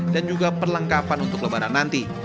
dan juga perlengkapan untuk lebaran nanti